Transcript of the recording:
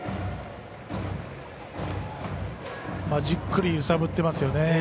じっくり揺さぶってますよね。